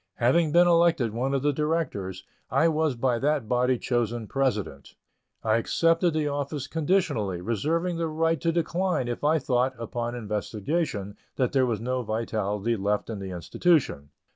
Having been elected one of the directors, I was by that body chosen President. I accepted the office conditionally, reserving the right to decline if I thought, upon investigation, that there was no vitality left in the institution.